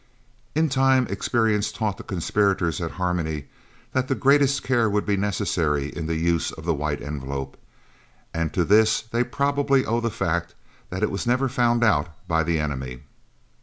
In time experience taught the conspirators at Harmony that the greatest care would be necessary in the use of the White Envelope, and to this they probably owe the fact that it was never found out by the enemy.